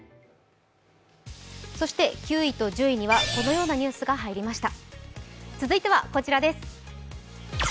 そして９位と１０位にはこのようなニュースが入りました。